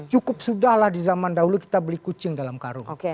cukup sudah lah di zaman dahulu kita beli kucing dalam karung